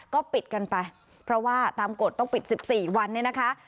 ก็ปิดกันไปเพราะว่าตามกฎต้องปิด๑๔วันเนี่ยนะคะ